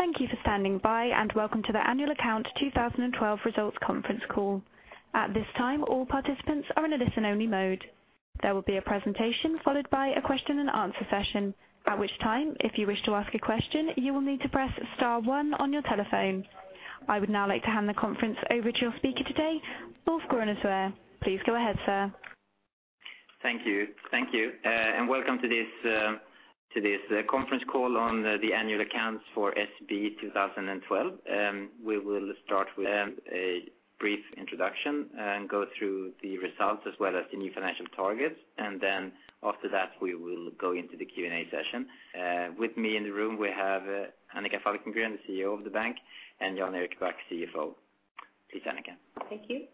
Thank you for standing by. Welcome to the annual account 2012 results conference call. At this time, all participants are in a listen-only mode. There will be a presentation followed by a question and answer session. At which time, if you wish to ask a question, you will need to press star one on your telephone. I would now like to hand the conference over to your speaker today, Ulf Grunnesjö. Please go ahead, sir. Thank you. Welcome to this conference call on the annual accounts for SEB 2012. We will start with a brief introduction and go through the results as well as the new financial targets. After that, we will go into the Q&A session. With me in the room, we have Annika Falkengren, the CEO of the bank, and Jan Erik Back, CFO. Please, Annika. Thank you.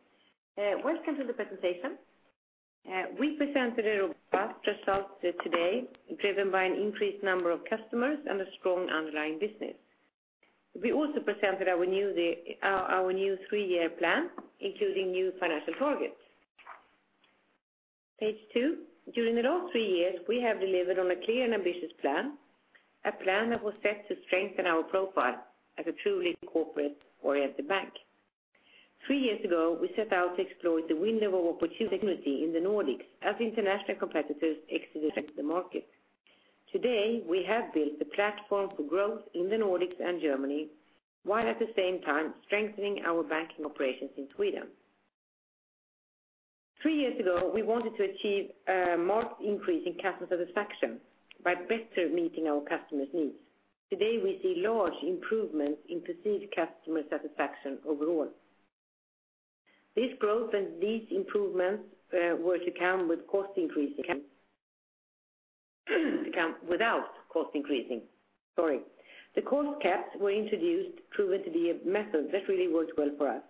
Welcome to the presentation. We presented a robust result today driven by an increased number of customers and a strong underlying business. We also presented our new three-year plan, including new financial targets. Page two. During the last three years, we have delivered on a clear and ambitious plan. A plan that was set to strengthen our profile as a truly corporate-oriented bank. Three years ago, we set out to exploit the window of opportunity in the Nordics as international competitors exited the market. Today, we have built a platform for growth in the Nordics and Germany, while at the same time strengthening our banking operations in Sweden. Three years ago, we wanted to achieve a marked increase in customer satisfaction by better meeting our customers' needs. Today, we see large improvements in perceived customer satisfaction overall. This growth and these improvements were to come without cost increasing. Sorry. The cost caps were introduced proven to be a method that really worked well for us.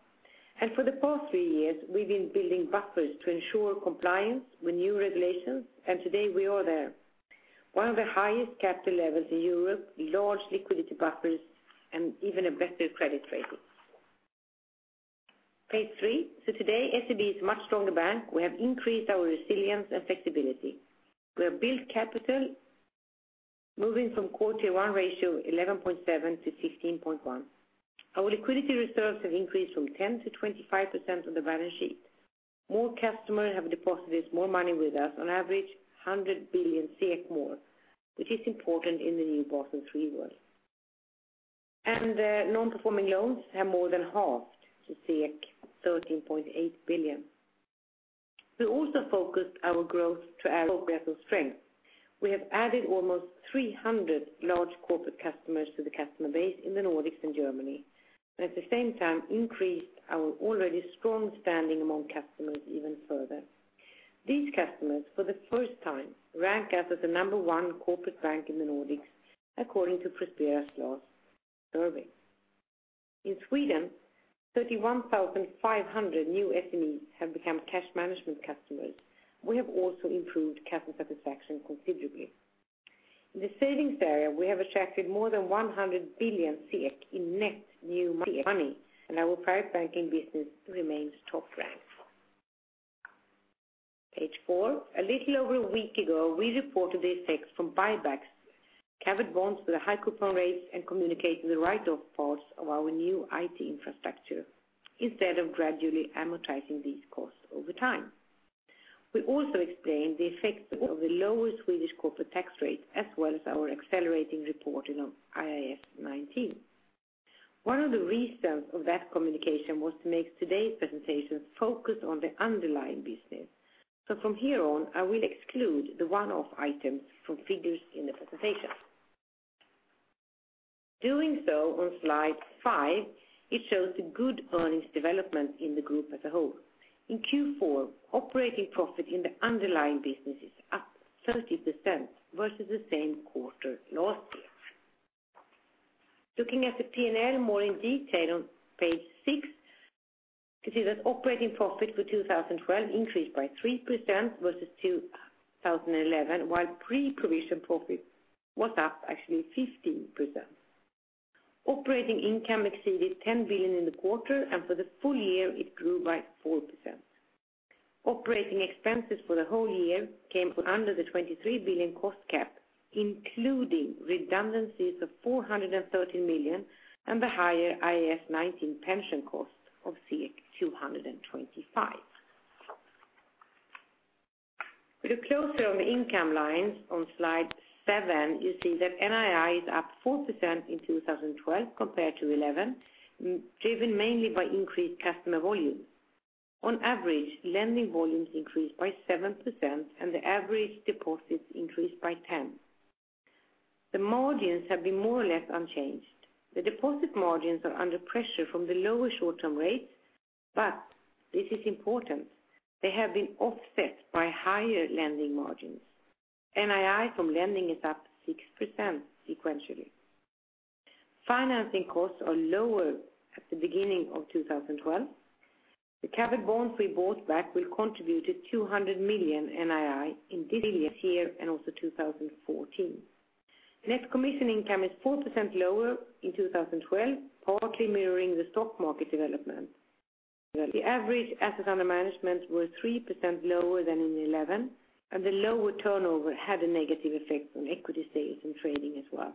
For the past three years, we've been building buffers to ensure compliance with new regulations, and today we are there. One of the highest capital levels in Europe, large liquidity buffers, and even a better credit rating. Page three. Today, SEB is a much stronger bank. We have increased our resilience and flexibility. We have built capital moving from Core Tier 1 ratio 11.7 to 16.1. Our liquidity reserves have increased from 10% to 25% of the balance sheet. More customers have deposited more money with us, on average 100 billion more, which is important in the new Basel III world. Non-performing loans have more than halved to 13.8 billion. We also focused our growth to our progress and strength. We have added almost 300 large corporate customers to the customer base in the Nordics and Germany, and at the same time increased our already strong standing among customers even further. These customers, for the first time, rank us as the number one corporate bank in the Nordics according to Prospera's last survey. In Sweden, 31,500 new SMEs have become cash management customers. We have also improved customer satisfaction considerably. In the savings area we have attracted more than 100 billion in net new money, and our private banking business remains top ranked. Page four. A little over a week ago, we reported the effects from buybacks, covered bonds with high coupon rates, and communicating the write-off costs of our new IT infrastructure instead of gradually amortizing these costs over time. We also explained the effects of the lower Swedish corporate tax rate, as well as our accelerating reporting of IAS 19. One of the reasons of that communication was to make today's presentation focused on the underlying business. From here on, I will exclude the one-off items from figures in the presentation. Doing so on slide five, it shows the good earnings development in the group as a whole. In Q4, operating profit in the underlying business is up 30% versus the same quarter last year. Looking at the P&L more in detail on page six, you see that operating profit for 2012 increased by 3% versus 2011, while pre-provision profit was up actually 15%. Operating income exceeded 10 billion in the quarter, and for the full year it grew by 4%. Operating expenses for the whole year came under the 23 billion cost cap, including redundancies of 430 million and the higher IAS 19 pension cost of 225. With a closer on the income lines on slide seven, you see that NII is up 4% in 2012 compared to 2011, driven mainly by increased customer volumes. On average, lending volumes increased by 7% and the average deposits increased by 10%. The margins have been more or less unchanged. The deposit margins are under pressure from the lower short-term rates, but this is important, they have been offset by higher lending margins. NII from lending is up 6% sequentially. Financing costs are lower at the beginning of 2012. The covered bonds we bought back will contribute to 200 million NII in this year and also 2014. Net commission income is 4% lower in 2012, partly mirroring the stock market development. The average assets under management were 3% lower than in 2011, and the lower turnover had a negative effect on equity sales and trading as well.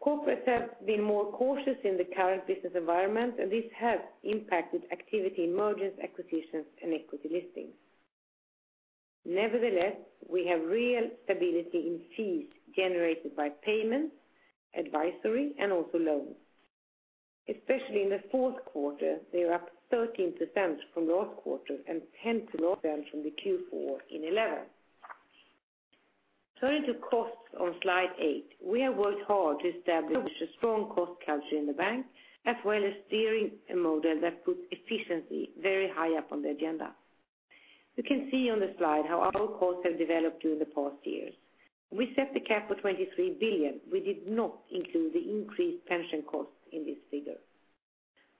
Corporate have been more cautious in the current business environment, and this has impacted activity in mergers, acquisitions, and equity listings. Nevertheless, we have real stability in fees generated by payments, advisory and also loans. Especially in the fourth quarter, they are up 13% from last quarter and 10% from the Q4 in 2011. Turning to costs on slide eight. We have worked hard to establish a strong cost culture in the bank, as well as steering a model that puts efficiency very high up on the agenda. You can see on the slide how our costs have developed during the past years. We set the cap for 23 billion. We did not include the increased pension costs in this figure.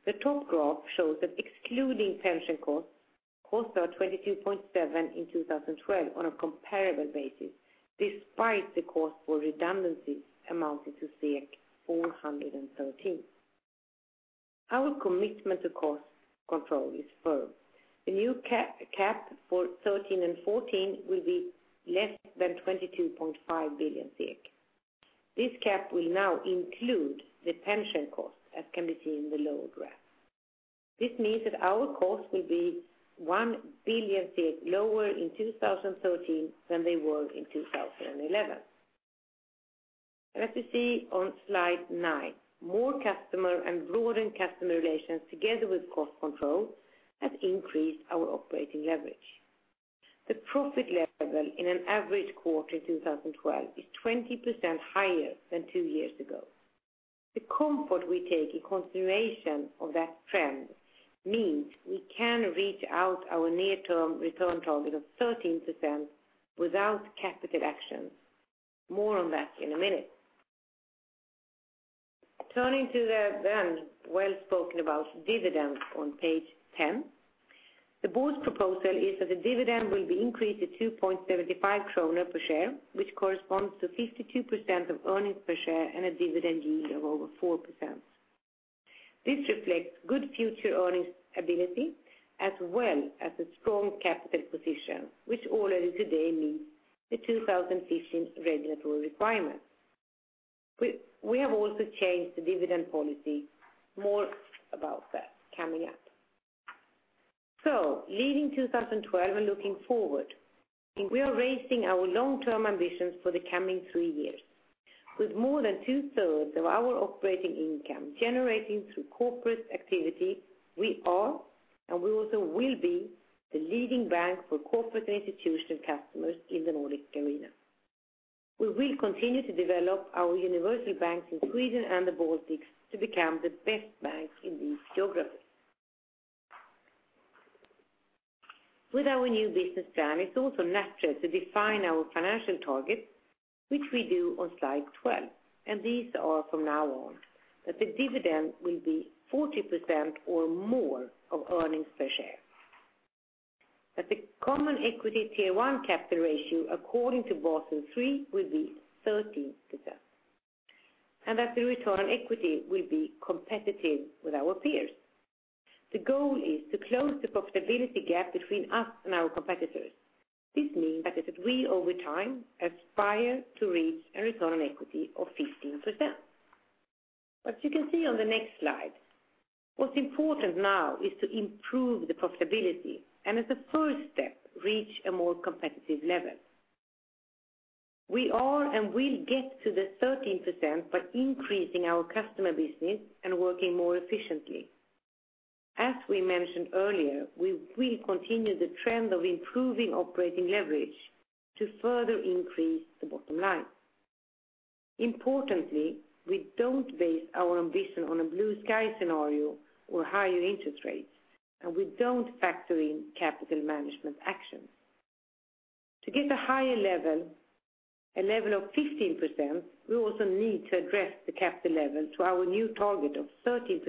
The top graph shows that excluding pension costs are 22.7 billion in 2012 on a comparable basis, despite the cost for redundancies amounting to 413. Our commitment to cost control is firm. The new cap for 2013 and 2014 will be less than 22.5 billion. This cap will now include the pension cost, as can be seen in the lower graph. This means that our costs will be 1 billion lower in 2013 than they were in 2011. As you see on slide nine, more customer and broader customer relations together with cost control has increased our operating leverage. The profit level in an average quarter 2012 is 20% higher than two years ago. The comfort we take in consideration of that trend means we can reach out our near-term return target of 13% without capital actions. More on that in a minute. Turning to the then well spoken about dividends on page 10. The board's proposal is that the dividend will be increased to 2.75 kronor per share, which corresponds to 52% of earnings per share and a dividend yield of over 4%. This reflects good future earnings ability as well as a strong capital position, which already today meets the 2015 regulatory requirements. We have also changed the dividend policy. More about that coming up. Leaving 2012 and looking forward, we are raising our long-term ambitions for the coming three years. With more than two-thirds of our operating income generating through corporate activity we are, and we also will be the leading bank for corporate and institutional customers in the Nordic arena. We will continue to develop our universal banks in Sweden and the Baltics to become the best banks in these geographies. With our new business plan, it's also natural to define our financial targets, which we do on slide 12, and these are from now on, that the dividend will be 40% or more of earnings per share. That the Common Equity Tier 1 capital ratio according to Basel III will be 13%. And that the return on equity will be competitive with our peers. The goal is to close the profitability gap between us and our competitors. This means that we over time aspire to reach a return on equity of 15%. As you can see on the next slide, what's important now is to improve the profitability and as a first step, reach a more competitive level. We are and will get to the 13% by increasing our customer business and working more efficiently. As we mentioned earlier, we will continue the trend of improving operating leverage to further increase the bottom line. Importantly, we don't base our ambition on a blue sky scenario or higher interest rates, and we don't factor in capital management actions. To get a higher level, a level of 15%, we also need to address the capital level to our new target of 13%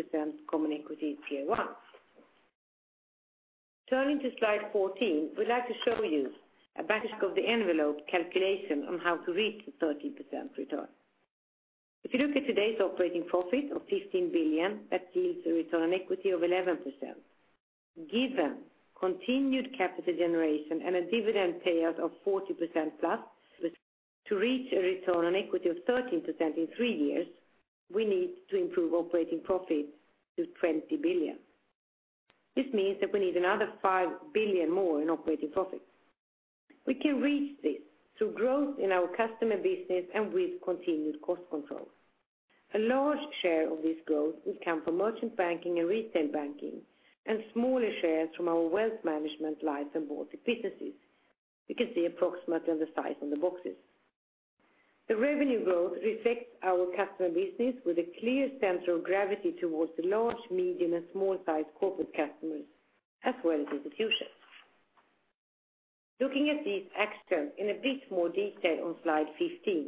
Common Equity Tier 1. Turning to slide 14, we'd like to show you a back of the envelope calculation on how to reach the 13% return. If you look at today's operating profit of 15 billion, that yields a return on equity of 11%. Given continued capital generation and a dividend payout of 40%+, to reach a return on equity of 13% in three years, we need to improve operating profit to 20 billion. This means that we need another 5 billion more in operating profit. We can reach this through growth in our customer business and with continued cost control. A large share of this growth will come from merchant banking and retail banking, and smaller shares from our wealth management lies in both the businesses. You can see approximately on the size on the boxes. The revenue growth reflects our customer business with a clear center of gravity towards the large, medium, and small size corporate customers as well as institutions. Looking at these actions in a bit more detail on slide 15.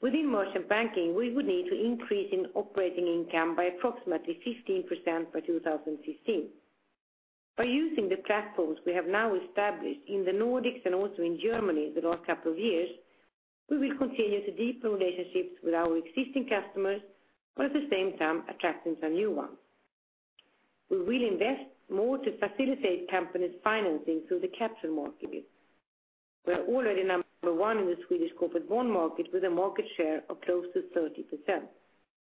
Within merchant banking, we would need to increase in operating income by approximately 15% by 2016. By using the platforms we have now established in the Nordics and also in Germany the last couple of years, we will continue to deepen relationships with our existing customers, while at the same time attracting some new ones. We will invest more to facilitate companies financing through the capital market. We're already number one in the Swedish corporate bond market with a market share of close to 30%.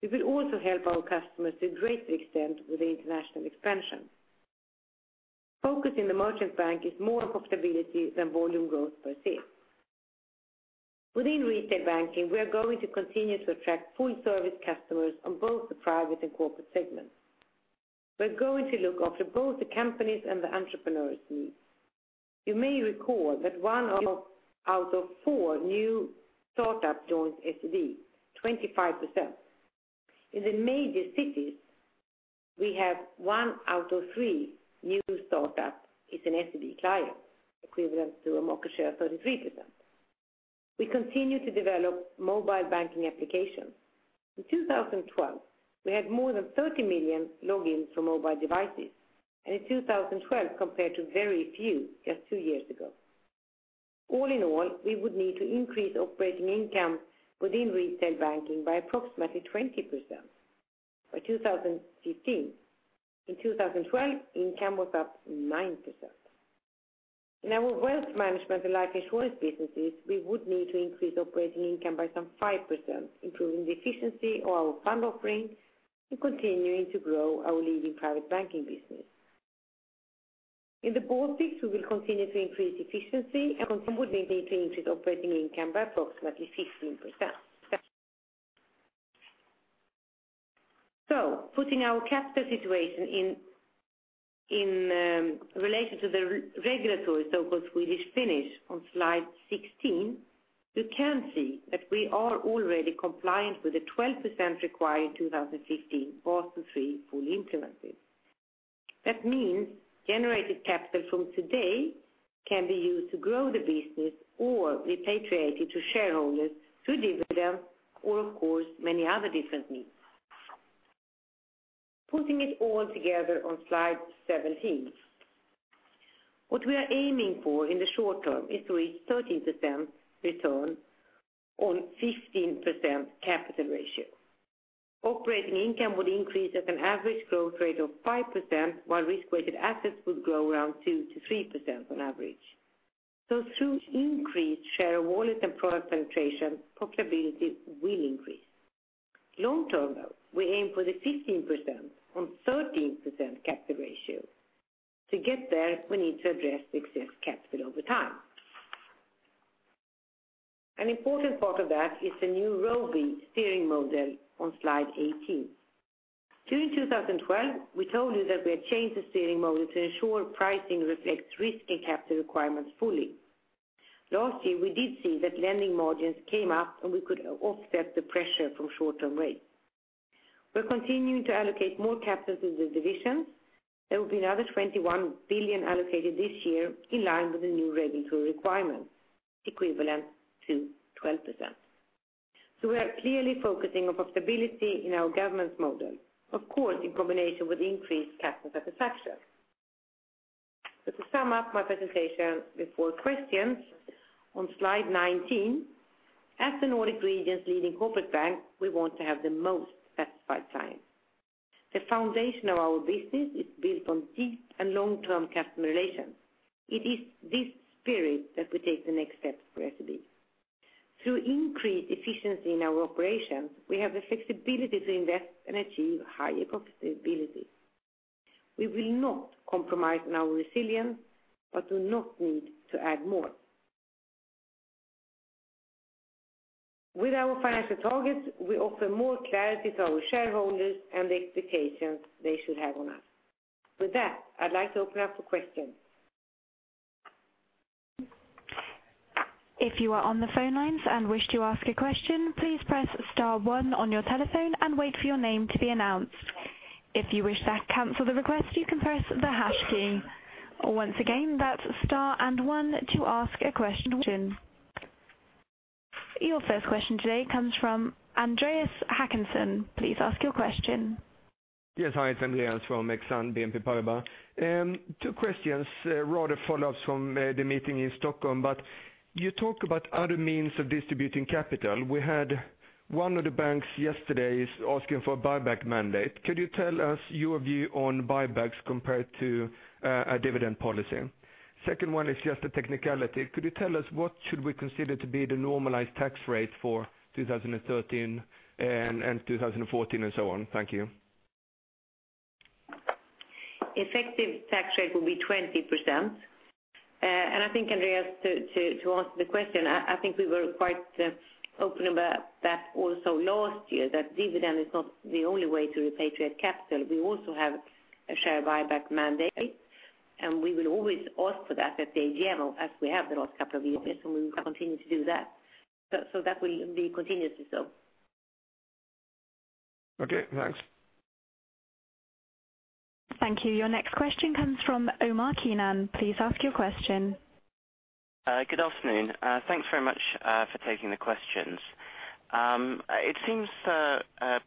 We will also help our customers to a greater extent with the international expansion. Focus in the merchant bank is more on profitability than volume growth per se. Within retail banking, we are going to continue to attract full service customers on both the private and corporate segments. We're going to look after both the companies and the entrepreneurs needs. You may recall that 1 out of 4 new startup joins SEB, 25%. In the major cities, we have 1 out of 3 new startup is an SEB client, equivalent to a market share of 33%. We continue to develop mobile banking applications. In 2012, we had more than 30 million logins from mobile devices. In 2012 compared to very few, just two years ago. All in all, we would need to increase operating income within retail banking by approximately 20% by 2015. In 2012, income was up 9%. In our wealth management and life insurance businesses we would need to increase operating income by some 5%, improving the efficiency of our fund offerings and continuing to grow our leading private banking business. In the Baltics we will continue to increase efficiency and would need to increase operating income by approximately 15%. Putting our capital situation in relation to the regulatory so-called Swedish finish on slide 16, you can see that we are already compliant with the 12% required in 2015, Basel III full implemented. That means generated capital from today can be used to grow the business or repatriated to shareholders through dividends or of course many other different means. Putting it all together on slide 17. What we are aiming for in the short term is to reach 13% return on 15% capital ratio. Operating income would increase at an average growth rate of 5% while risk-weighted assets would grow around 2%-3% on average. Through increased share of wallet and product penetration, profitability will increase. Long term though, we aim for the 15% on 13% capital ratio. To get there, we need to address excess capital over time. An important part of that is the new ROBE steering model on slide 18. During 2012, we told you that we had changed the steering model to ensure pricing reflects risk and capital requirements fully. Last year, we did see that lending margins came up and we could offset the pressure from short-term rates. We are continuing to allocate more capital to the divisions. There will be another 21 billion allocated this year in line with the new regulatory requirements, equivalent to 12%. We are clearly focusing on profitability in our governance model, of course, in combination with increased capital satisfaction. To sum up my presentation before questions, on slide 19, as the Nordic region's leading corporate bank we want to have the most satisfied clients. The foundation of our business is built on deep and long-term customer relations. It is this spirit that we take the next step for SEB. Through increased efficiency in our operations we have the flexibility to invest and achieve higher profitability. We will not compromise on our resilience but do not need to add more. With our financial targets we offer more clarity to our shareholders and the expectations they should have on us. With that, I'd like to open up for questions. If you are on the phone lines and wish to ask a question, please press star one on your telephone and wait for your name to be announced. If you wish to cancel the request you can press the hash key. Once again, that's star and one to ask a question. Your first question today comes from Andreas Håkanson. Please ask your question. Yes. Hi, it's Andreas from Exane BNP Paribas. Two questions, rather follow-ups from the meeting in Stockholm. You talk about other means of distributing capital. We had one of the banks yesterday is asking for a buyback mandate. Could you tell us your view on buybacks compared to a dividend policy? Second one is just a technicality. Could you tell us what should we consider to be the normalized tax rate for 2013 and 2014 and so on? Thank you. Effective tax rate will be 20%. I think Andreas to answer the question, I think we were quite open about that also last year, that dividend is not the only way to repatriate capital. We also have a share buyback mandate and we will always ask for that at the AGM as we have the last couple of years and we will continue to do that. That will be continuously so. Okay, thanks. Thank you. Your next question comes from Omar Keenan. Please ask your question Good afternoon. Thanks very much for taking the questions. It seems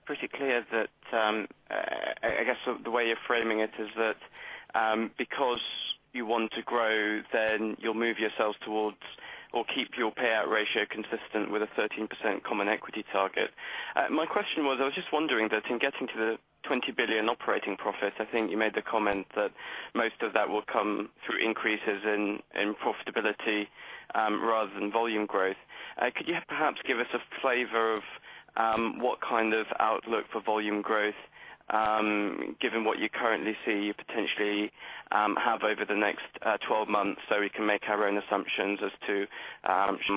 pretty clear that, I guess, the way you're framing it is that because you want to grow, then you'll move yourselves towards or keep your payout ratio consistent with a 13% common equity target. My question was, I was just wondering that in getting to the 20 billion operating profits, I think you made the comment that most of that will come through increases in profitability rather than volume growth. Could you perhaps give us a flavor of what kind of outlook for volume growth, given what you currently see you potentially have over the next 12 months, so we can make our own assumptions as to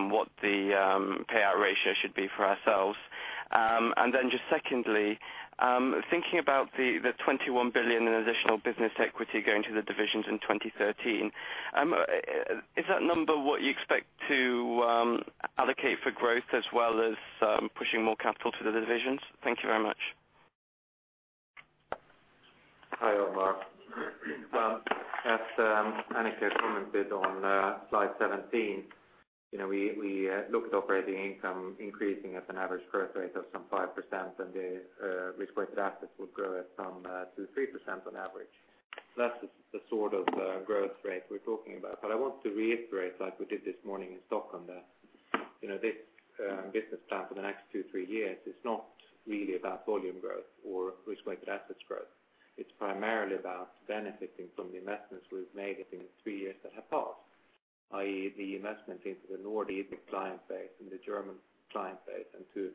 what the payout ratio should be for ourselves? Secondly, thinking about the 21 billion in additional business equity going to the divisions in 2013, is that number what you expect to allocate for growth as well as pushing more capital to the divisions? Thank you very much. Hi, Omar. As Annika commented on slide 17, we look at operating income increasing at an average growth rate of some 5%, and the risk-weighted assets will grow at some 2%-3% on average. That's the sort of growth rate we're talking about. I want to reiterate, like we did this morning in Stockholm, that this business plan for the next two, three years is not really about volume growth or risk-weighted assets growth. It's primarily about benefiting from the investments we've made I think in the three years that have passed, i.e., the investment into the Nordic client base and the German client base, and to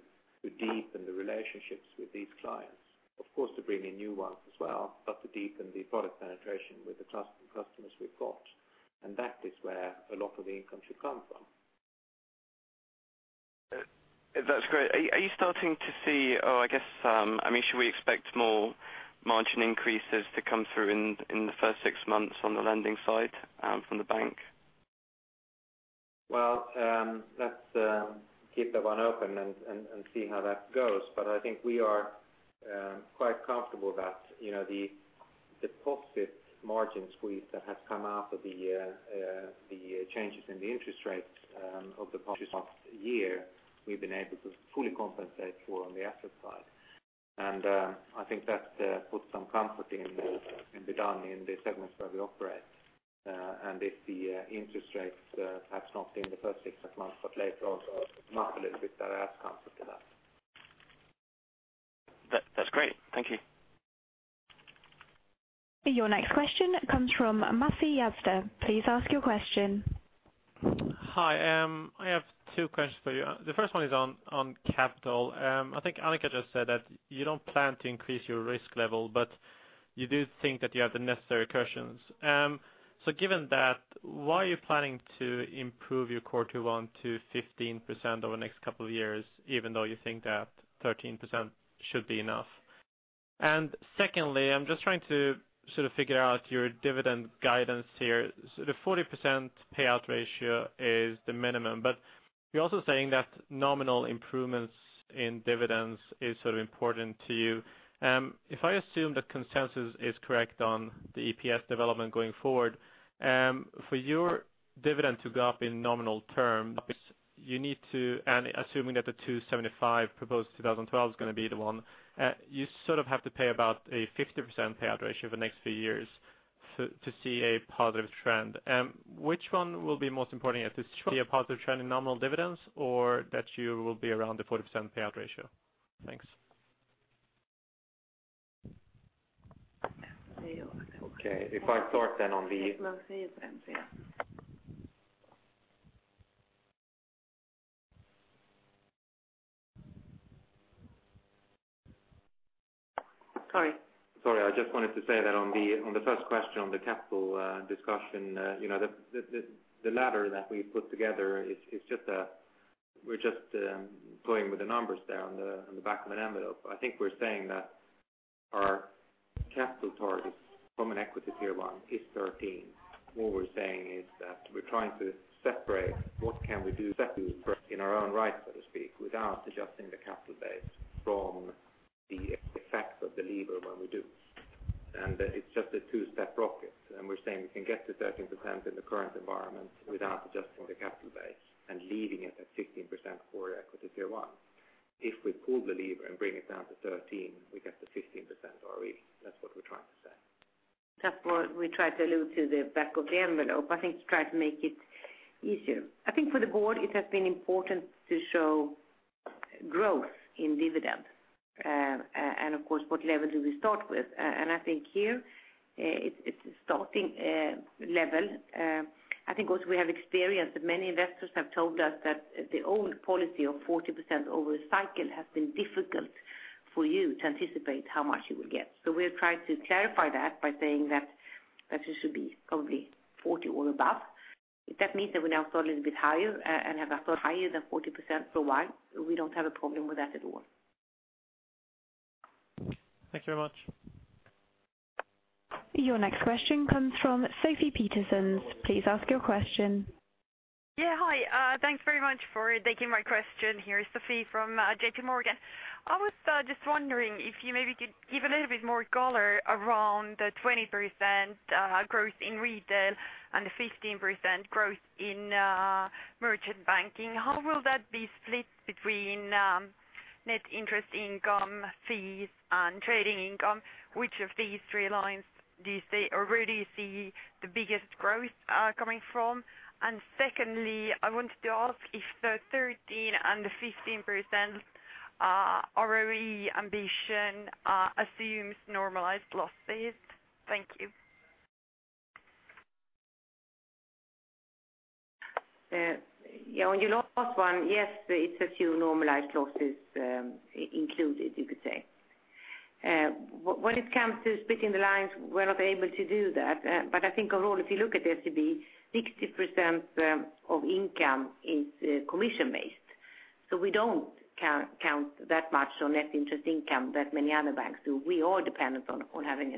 deepen the relationships with these clients. Of course, to bring in new ones as well, but to deepen the product penetration with the customers we've got. That is where a lot of the income should come from. That's great. Are you starting to see I guess, should we expect more margin increases to come through in the first six months on the lending side from the bank? Well, let's keep that one open and see how that goes. I think we are quite comfortable that the deposit margin squeeze that has come out of the changes in the interest rates over the past year, we've been able to fully compensate for on the asset side. I think that puts some comfort in the done in the segments where we operate. If the interest rates, perhaps not in the first six months but later on, go up a little bit, that adds comfort to that. That's great. Thank you. Your next question comes from Masih Abdah. Please ask your question. Hi. I have two questions for you. The first one is on capital. I think Annika just said that you don't plan to increase your risk level, but you do think that you have the necessary cushions. Given that, why are you planning to improve your Core Tier 1 to 15% over the next couple of years, even though you think that 13% should be enough? Secondly, I'm just trying to figure out your dividend guidance here. The 40% payout ratio is the minimum, but you're also saying that nominal improvements in dividends is important to you. If I assume that consensus is correct on the EPS development going forward, for your dividend to go up in nominal terms, you need to, and assuming that the 275 proposed 2012 is going to be the one, you have to pay about a 50% payout ratio the next few years to see a positive trend. Which one will be most important at this point, be a positive trend in nominal dividends or that you will be around the 40% payout ratio? Thanks. If I start on the Sorry. Sorry, I just wanted to say that on the first question on the capital discussion, the ladder that we put together, we are just playing with the numbers there on the back of an envelope. I think we are saying that our capital target from an equity tier 1 is 13. What we are saying is that we are trying to separate what can we do in our own right, so to speak, without adjusting the capital base from the effects of the lever when we do. It is just a two-step rocket, and we are saying we can get to 13% in the current environment without adjusting the capital base and leaving it at 15% for equity tier 1. If we pull the lever and bring it down to 13, we get to 15% already. That is what we are trying to say. That is what we try to allude to the back of the envelope, I think, to try to make it easier. I think for the board, it has been important to show growth in dividend. Of course, what level do we start with? I think here it is a starting level. I think also we have experienced that many investors have told us that the old policy of 40% over the cycle has been difficult for you to anticipate how much you will get. We are trying to clarify that by saying that it should be probably 40% or above. If that means that we now start a little bit higher and have a thought higher than 40% for a while, we do not have a problem with that at all. Thank you very much. Your next question comes from Sophie Peterzén. Please ask your question. Yeah. Hi. Thanks very much for taking my question. Here is Sophie from J.P. Morgan. I was just wondering if you maybe could give a little bit more color around the 20% growth in retail and the 15% growth in merchant banking. How will that be split between net interest income fees and trading income? Which of these three lines do you see or where do you see the biggest growth coming from? Secondly, I wanted to ask if the 13% and the 15% ROE ambition assumes normalized losses. Thank you. On your last one, yes, it assumes normalized losses included, you could say. When it comes to splitting the lines, we're not able to do that. I think overall, if you look at SEB, 60% of income is commission-based. We don't count that much on net interest income that many other banks do. We are dependent on having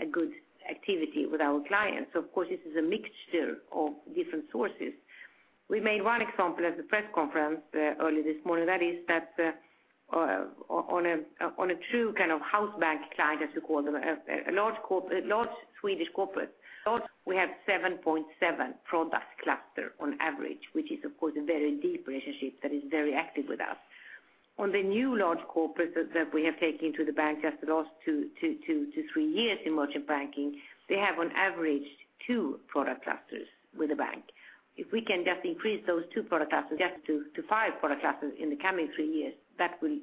a good activity with our clients. Of course, this is a mixture of different sources. We made one example at the press conference earlier this morning, that is that on a true house bank client, as you call them, a large Swedish corporate, we have 7.7 product cluster on average, which is, of course, a very deep relationship that is very active with us. On the new large corporates that we have taken to the bank just the last two to three years in merchant banking, they have on average two product clusters with the bank. If we can just increase those two product clusters just to five product clusters in the coming three years, that will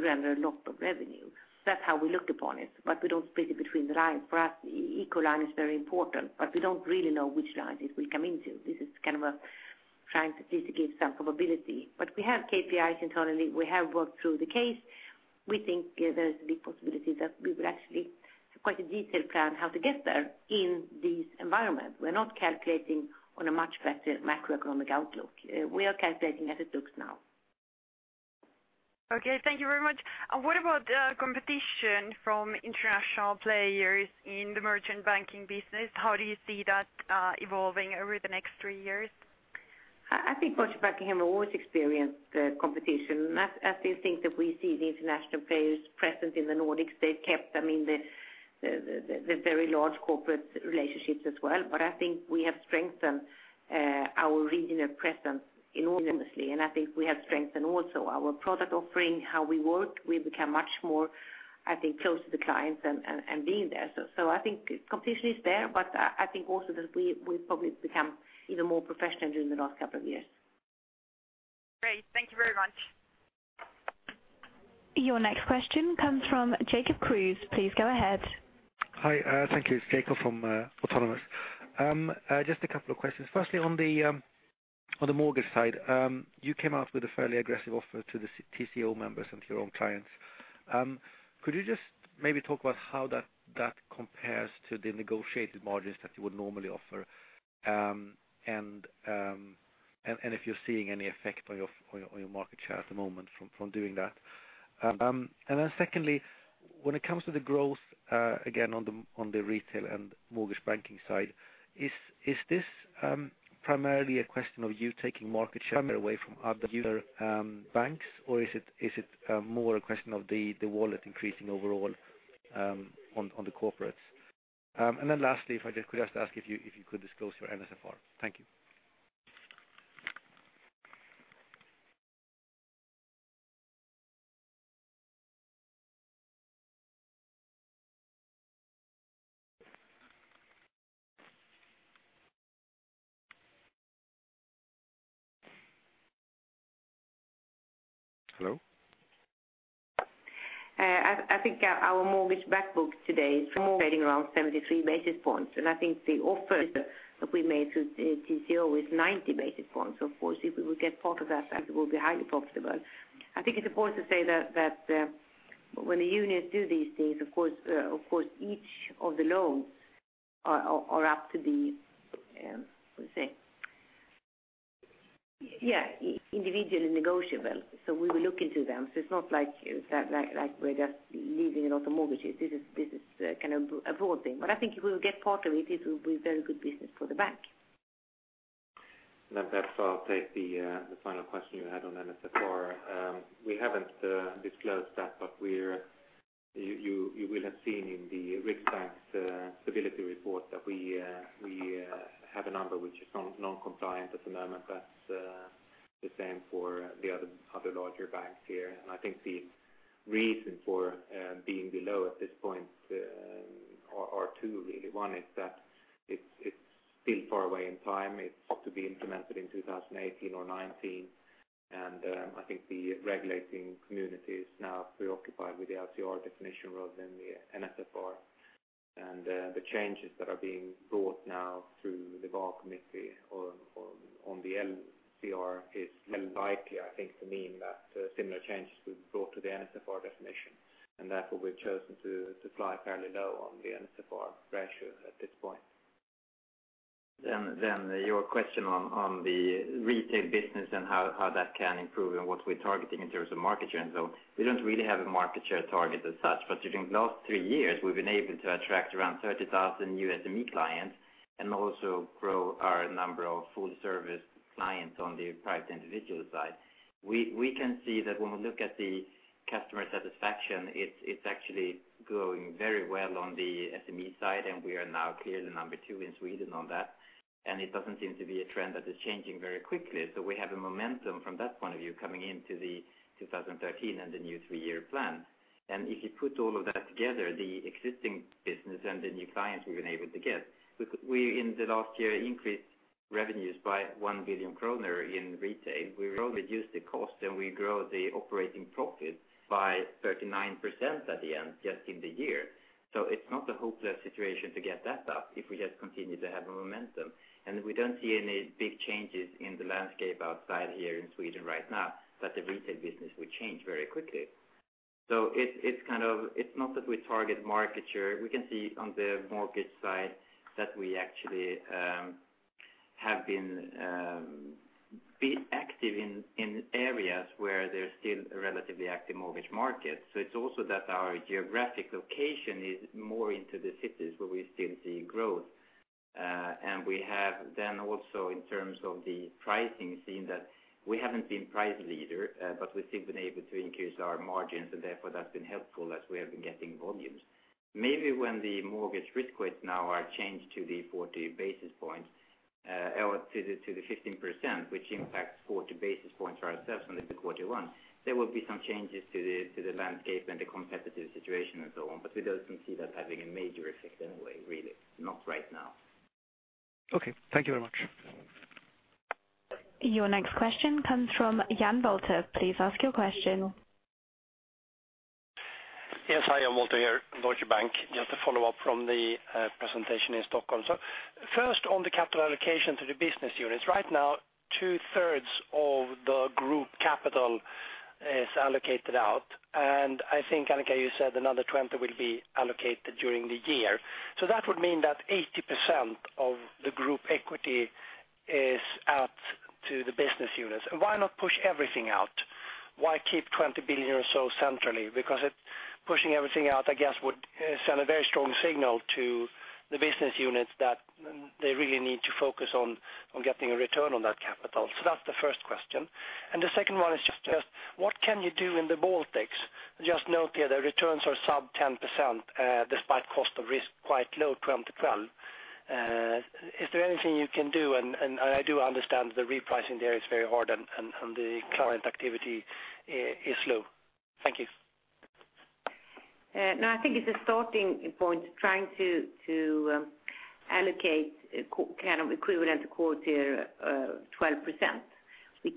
render a lot of revenue. That's how we looked upon it. We don't split it between the lines. For us, equal line is very important, but we don't really know which lines it will come into. This is trying to give some probability. We have KPIs internally. We have worked through the case. We think there's a big possibility that we will actually have quite a detailed plan how to get there in this environment. We're not calculating on a much better macroeconomic outlook. We are calculating as it looks now. Okay. Thank you very much. What about competition from international players in the merchant banking business? How do you see that evolving over the next three years? I think merchant banking have always experienced competition. As you think that we see the international players present in the Nordics, they've kept the very large corporate relationships as well. I think we have strengthened our regional presence enormously, and I think we have strengthened also our product offering, how we work. We've become much more, I think, close to the clients and being there. I think competition is there, but I think also that we've probably become even more professional during the last couple of years. Great. Thank you very much. Your next question comes from Jacob Kruse. Please go ahead. Hi. Thank you. It's Jacob from Autonomous. Just a couple of questions. Firstly, on the mortgage side you came out with a fairly aggressive offer to the TCO members and to your own clients. Could you just maybe talk about how that compares to the negotiated margins that you would normally offer, and if you're seeing any effect on your market share at the moment from doing that? Secondly, when it comes to the growth again on the retail and mortgage banking side, is this primarily a question of you taking market share away from other banks, or is it more a question of the wallet increasing overall on the corporates? Lastly, if I could just ask if you could disclose your NSFR. Thank you. Hello? I think our mortgage back book today is trading around 73 basis points, and I think the offer that we made through TCO is 90 basis points. Of course, if we would get part of that will be highly profitable. I think it's important to say that when the unions do these things, of course, each of the loans are up to be individually negotiable. We will look into them. It's not like we're just leaving a lot of mortgages. This is a broad thing. I think if we will get part of it will be very good business for the bank. Perhaps I'll take the final question you had on NSFR. We haven't disclosed that, but you will have seen in the Riksbank stability report that we have a number which is non-compliant at the moment. That's the same for the other larger banks here. I think the reason for being below at this point are two really. One is that it's still far away in time. It's ought to be implemented in 2018 or 2019. I think the regulating community is now preoccupied with the LCR definition rather than the NSFR. The changes that are being brought now through the Basel Committee on the LCR is likely, I think to mean that similar changes will be brought to the NSFR definition, therefore we've chosen to fly fairly low on the NSFR ratio at this point. Your question on the retail business and how that can improve and what we're targeting in terms of market share and so on. We don't really have a market share target as such, but during the last three years, we've been able to attract around 30,000 new SME clients and also grow our number of full-service clients on the private individual side. We can see that when we look at the customer satisfaction, it's actually growing very well on the SME side, and we are now clearly number 2 in Sweden on that. It doesn't seem to be a trend that is changing very quickly. We have a momentum from that point of view coming into the 2013 and the new three-year plan. If you put all of that together, the existing business and the new clients we've been able to get. We, in the last year, increased revenues by 1 billion kronor in retail. We reduced the cost, and we grow the operating profit by 39% at the end, just in the year. It's not a hopeless situation to get that up if we just continue to have a momentum. We don't see any big changes in the landscape outside here in Sweden right now that the retail business will change very quickly. It's not that we target market share. We can see on the mortgage side that we actually have been active in areas where there's still a relatively active mortgage market. It's also that our geographic location is more into the cities where we still see growth. We have then also, in terms of the pricing, seen that we haven't been price leader, but we've still been able to increase our margins, and therefore, that's been helpful as we have been getting volumes. Maybe when the mortgage risk weights now are changed to the 15%, which impacts 40 basis points for ourselves into quarter one, there will be some changes to the landscape and the competitive situation and so on. We don't foresee that having a major effect anyway, really. Not right now. Okay. Thank you very much. Your next question comes from Jan Wolter. Please ask your question. Yes. Hi, Jan Wolter here, Deutsche Bank. Just to follow up from the presentation in Stockholm. First on the capital allocation to the business units. Right now, two-thirds of the group capital is allocated out, and I think, Annika, you said another 20 will be allocated during the year. That would mean that 80% of the group equity is out to the business units. Why not push everything out? Why keep 20 billion or so centrally? Because pushing everything out, I guess, would send a very strong signal to the business units that they really need to focus on getting a return on that capital. That's the first question. The second one is just, what can you do in the Baltics? Just note here the returns are sub 10% despite cost of risk quite low, 12 to 12. Is there anything you can do? I do understand the repricing there is very hard, and the client activity is low. Thank you. No, I think it's a starting point, trying to allocate equivalent quarter 12%. You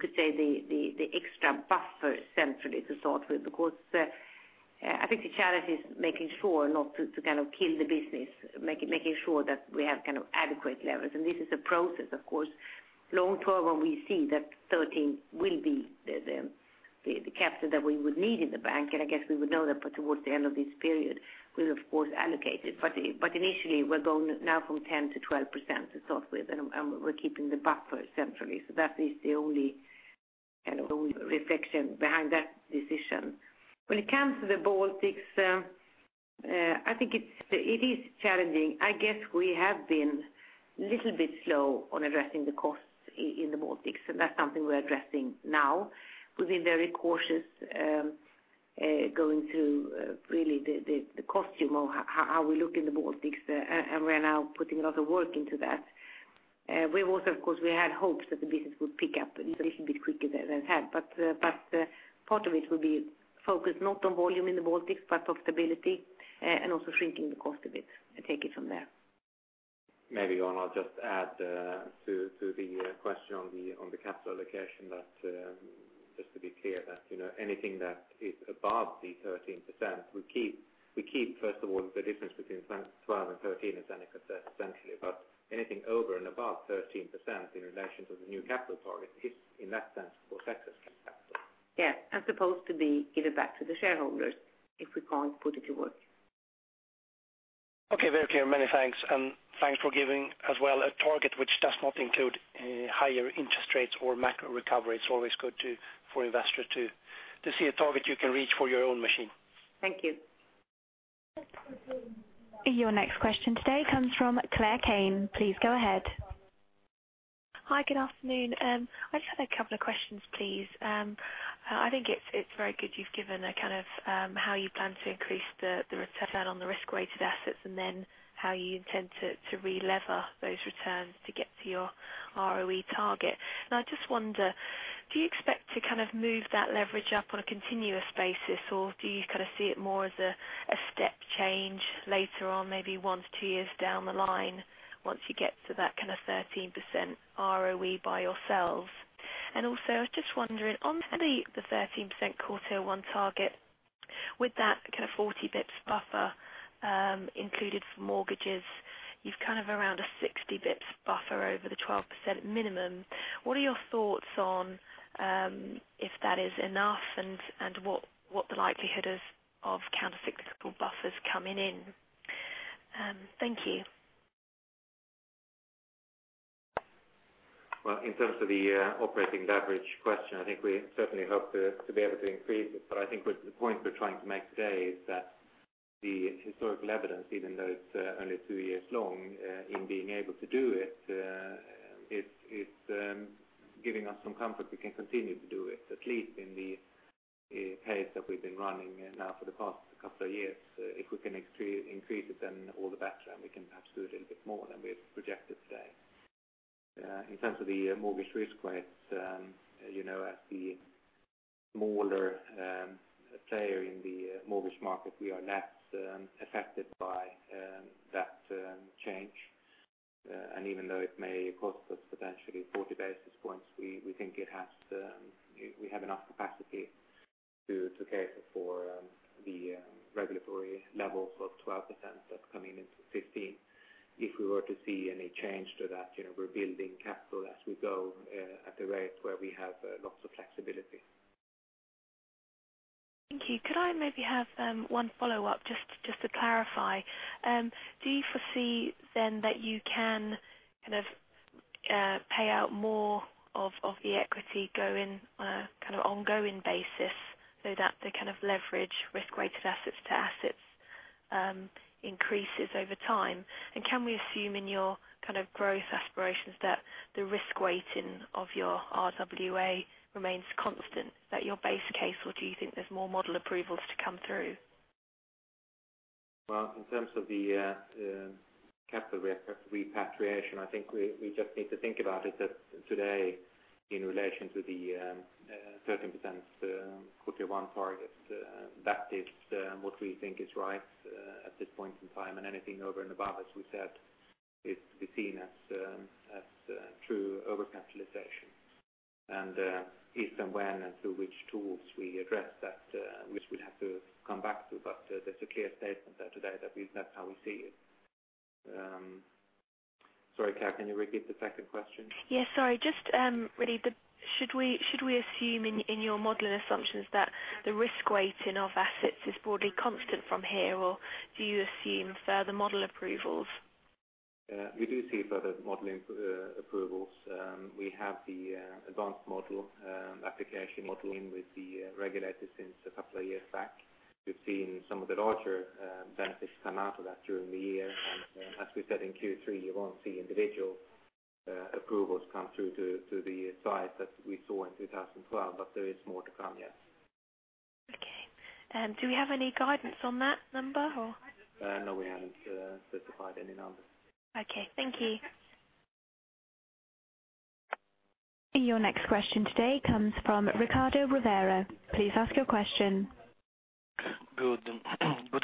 could say the extra buffer centrally to start with, because I think the challenge is making sure not to kill the business, making sure that we have adequate levels. This is a process, of course. Long term when we see that 13 will be the capital that we would need in the bank, and I guess we would know that towards the end of this period, we'll of course allocate it. Initially, we're going now from 10 to 12% to start with, and we're keeping the buffer centrally. That is the only reflection behind that decision. When it comes to the Baltics, I think it is challenging. I guess we have been a little bit slow on addressing the costs in the Baltics, and that's something we're addressing now. We've been very cautious going through really the cost how we look in the Baltics, and we're now putting a lot of work into that. We also, of course, we had hopes that the business would pick up a little bit quicker than it had. Part of it will be focused not on volume in the Baltics, but profitability and also shrinking the cost a bit, and take it from there. Maybe I'll just add to the question on the capital allocation that just to be clear that anything that is above the 13%, we keep first of all, the difference between 12 and 13, as Annika said, essentially. Anything over and above 13% in relation to the new capital target is in that sense for excess capital. Yes. As opposed to be given back to the shareholders if we can't put it to work. Okay. Very clear. Many thanks. Thanks for giving as well a target which does not include higher interest rates or macro recovery. It's always good for investors to see a target you can reach for your own machine. Thank you. Your next question today comes from Claire Kane. Please go ahead. Hi. Good afternoon. I just had a couple of questions, please. I think it's very good you've given a how you plan to increase the return on the risk-weighted assets and how you intend to relever those returns to get to your ROE target. I just wonder, do you expect to move that leverage up on a continuous basis, or do you see it more as a step change later on, maybe one to two years down the line once you get to that 13% ROE by yourselves? Also, I was just wondering on the 13% quarter one target with that 40 basis points buffer included for mortgages, you've around a 60 basis point buffer over the 12% minimum. What are your thoughts on if that is enough and what the likelihood is of countercyclical buffers coming in? Thank you. Well, in terms of the operating leverage question, I think we certainly hope to be able to increase it. I think what the point we're trying to make today is that the historical evidence, even though it's only two years long, in being able to do it's giving us some comfort we can continue to do it, at least in the pace that we've been running now for the past couple of years. If we can increase it, all the better, and we can perhaps do a little bit more than we have projected today. In terms of the mortgage risk weight, as the smaller player in the mortgage market, we are less affected by that change. Even though it may cost us potentially 40 basis points, we think we have enough capacity to cater for the regulatory levels of 12% that's coming into 2015. If we were to see any change to that, we're building capital as we go at a rate where we have lots of flexibility. Thank you. Could I maybe have one follow-up just to clarify? Do you foresee that you can kind of pay out more of the equity go in on a kind of ongoing basis so that the leverage risk-weighted assets to assets increases over time? Can we assume in your growth aspirations that the risk weighting of your RWA remains constant, that your base case or do you think there's more model approvals to come through? Well, in terms of the capital repatriation, I think we just need to think about it today in relation to the 13% quarter one target. That is what we think is right at this point in time. Anything over and above, as we said, is to be seen as true overcapitalization. If and when and through which tools we address that which we'd have to come back to, but there's a clear statement there today that that's how we see it. Sorry, Kat, can you repeat the second question? Yes, sorry. Just really, should we assume in your modeling assumptions that the risk weighting of assets is broadly constant from here, or do you assume further model approvals? We do see further modeling approvals. We have the advanced model, application modeling with the regulators since a couple of years back. We've seen some of the larger benefits come out of that during the year. As we said in Q3, you won't see individual approvals come through to the size that we saw in 2012. There is more to come, yes. Okay. Do we have any guidance on that number or? No, we haven't specified any numbers. Okay. Thank you. Your next question today comes from Riccardo Rovere. Please ask your question. Good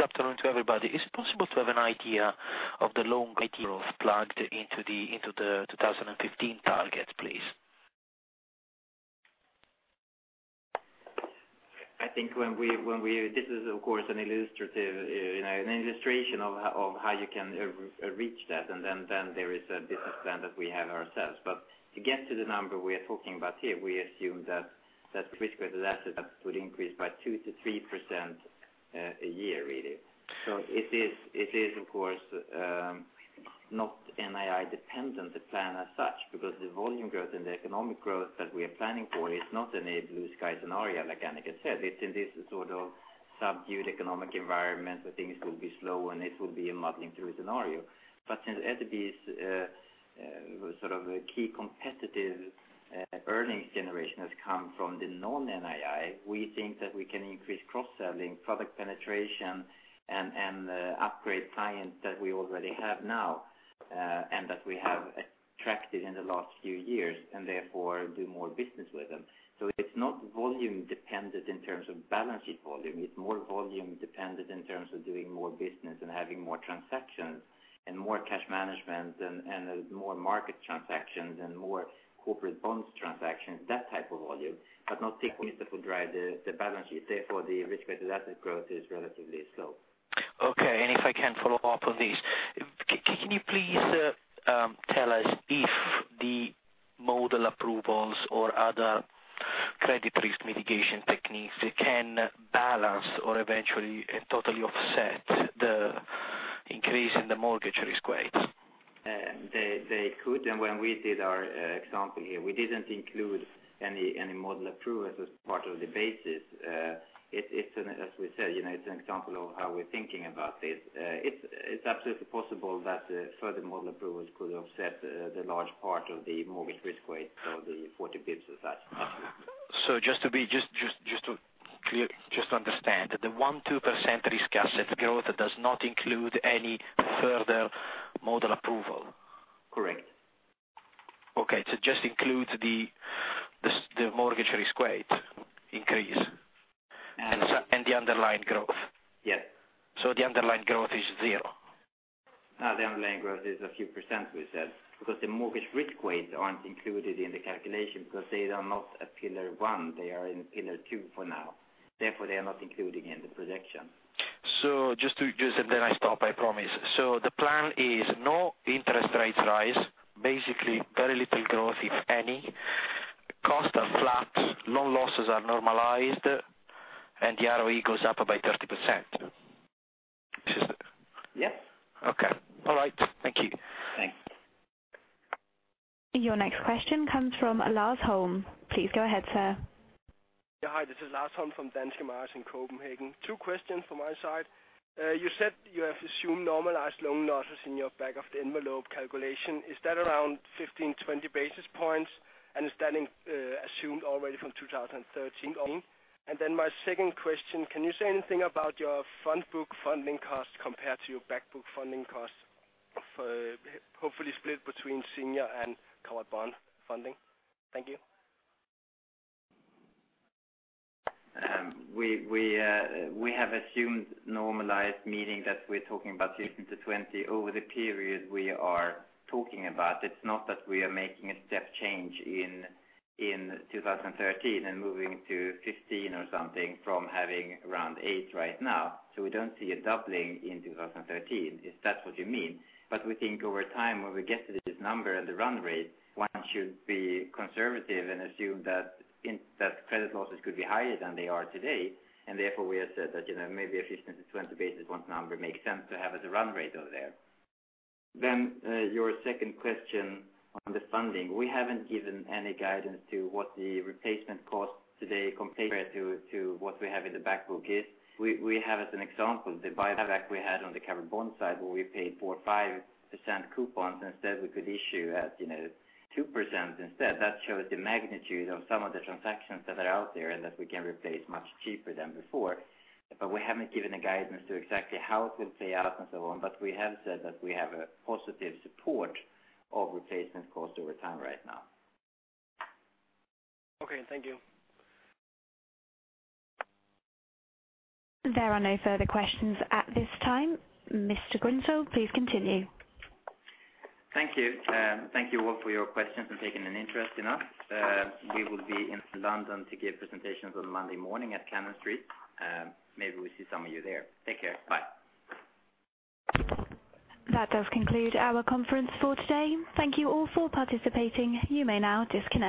afternoon to everybody. Is it possible to have an idea of the long idea of plugged into the 2015 target, please? I think this is, of course, an illustration of how you can reach that, then there is a business plan that we have ourselves. To get to the number we are talking about here, we assume that the risk-weighted assets would increase by 2%-3% a year, really. It is, of course, not NII dependent, the plan as such, because the volume growth and the economic growth that we are planning for is not in a blue sky scenario like Annika said. It's in this sort of subdued economic environment where things will be slow, and it will be a muddling through scenario. Since SEB's sort of a key competitive earnings generation has come from the non-NII, we think that we can increase cross-selling, product penetration, and upgrade clients that we already have now, and that we have attracted in the last few years, and therefore do more business with them. It's not volume dependent in terms of balance sheet volume. It's more volume dependent in terms of doing more business and having more transactions and more cash management and more market transactions and more corporate bonds transactions, that type of volume, but not thickness that will drive the balance sheet. Therefore, the risk-weighted asset growth is relatively slow. Okay. If I can follow up on this. Can you please tell us if the model approvals or other credit risk mitigation techniques can balance or eventually totally offset the increase in the mortgage risk weight? They could, when we did our example here, we didn't include any model approval as part of the basis. As we said, it's an example of how we're thinking about this. It's absolutely possible that further model approvals could offset the large part of the mortgage risk weight of the 40 basis points of that. Just to understand, the 1%, 2% risk asset growth does not include any further model approval? Correct. Okay. It just includes the mortgage risk weight increase. Yes. The underlying growth. Yes. The underlying growth is zero? No, the underlying growth is a few %, we said, because the mortgage risk weights aren't included in the calculation because they are not at Pillar 1. They are in Pillar 2 for now. They are not included in the projection. Just to use and then I stop, I promise. The plan is no interest rates rise, basically very little growth, if any. Costs are flat, loan losses are normalized, and the ROE goes up by 30%. Is it? Yes. Okay. All right. Thank you. Thanks. Your next question comes from Lars Holm. Please go ahead, sir. Yeah. Hi, this is Lars Holm from Danske Markets in Copenhagen. Two questions from my side. You said you have assumed normalized loan losses in your back of the envelope calculation. Is that around 15, 20 basis points? Is that assumed already from 2013 on? My second question, can you say anything about your front book funding costs compared to your back book funding costs for hopefully split between senior and covered bond funding? Thank you. We have assumed normalized, meaning that we're talking about 15-20 basis points over the period we are talking about. It's not that we are making a step change in 2013 and moving to 15 or something from having around eight right now. We don't see a doubling in 2013, if that's what you mean. We think over time, when we get to this number at the run rate, one should be conservative and assume that credit losses could be higher than they are today, and therefore, we have said that maybe a 15-20 basis point number makes sense to have as a run rate over there. Your second question on the funding. We haven't given any guidance to what the replacement cost today compared to what we have in the back book is. We have as an example, the buyback we had on the covered bond side where we paid 4% or 5% coupons, instead we could issue at 2% instead. That shows the magnitude of some of the transactions that are out there and that we can replace much cheaper than before. We haven't given a guidance to exactly how it will play out and so on. We have said that we have a positive support of replacement cost over time right now. Okay. Thank you. There are no further questions at this time. Mr. Grunnesjö, please continue. Thank you. Thank you all for your questions and taking an interest in us. We will be in London to give presentations on Monday morning at Cannon Street. Maybe we see some of you there. Take care. Bye. That does conclude our conference for today. Thank you all for participating. You may now disconnect.